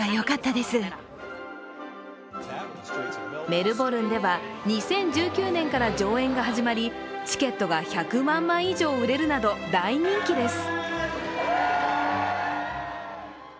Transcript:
メルボルンでは２０１９年から上演が始まりチケットが１００万枚以上売れるなど大人気です。